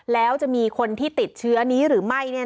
แล้วจะมีคนที่ติดเชื้อนี้หรือไม่